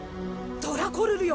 ドラコルルよ